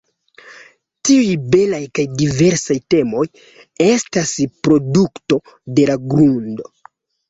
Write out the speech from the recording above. Tiuj belaj kaj diversaj temoj estas produkto de la grundo.